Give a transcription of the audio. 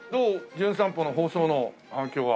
『じゅん散歩』の放送の反響は。